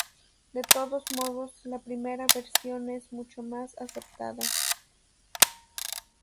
De todos modos, la primera versión es mucho más aceptada.